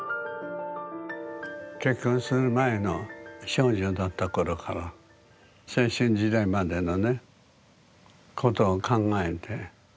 結婚する前の少女だった頃から青春時代までのねことを考えて。